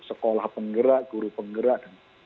sekolah penggerak guru penggerak